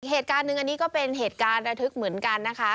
เหตุการณ์หนึ่งอันนี้ก็เป็นเหตุการณ์ระทึกเหมือนกันนะคะ